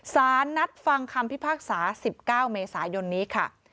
สารนัดฟังคำพิพากษา๑๙เมษายนนี้ค่ะ